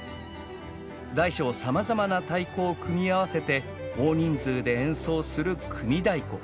大小さまざまな太鼓を組み合わせて大人数で演奏する「組太鼓」。